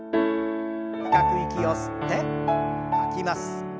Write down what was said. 深く息を吸って吐きます。